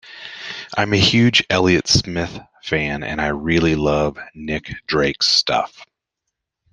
I'm a huge Elliott Smith fan and I really love Nick Drake's stuff.